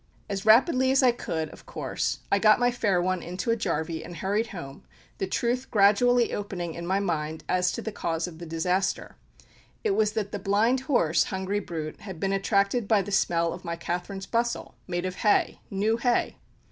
As rapidly as I could, of course, I got my fair one into a jarvy, and hurried home, the truth gradually opening in my mind as to the cause of the disaster it was, that the blind horse, hungry brute, had been attracted by the smell of my Catherine's bustle, made of hay new hay!